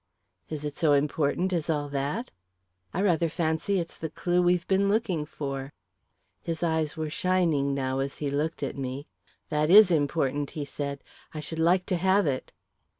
"Is it so important as all that?" "I rather fancy it's the clue we've been looking for." His eyes were shining now as he looked at me. "That is important," he said. "I should like to have it."